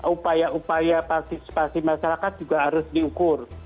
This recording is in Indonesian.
upaya upaya partisipasi masyarakat juga harus diukur